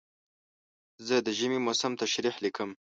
زه د ژمي موسم تشریح لیکم.